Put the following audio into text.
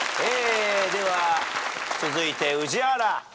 では続いて宇治原。